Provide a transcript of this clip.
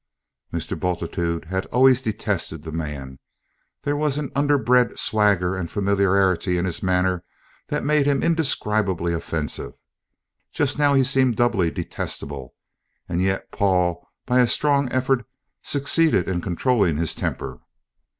Mr. Bultitude had always detested the man there was an underbred swagger and familiarity in his manner that made him indescribably offensive; just now he seemed doubly detestable, and yet Paul by a strong effort succeeded in controlling his temper.